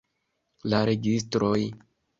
La registroj!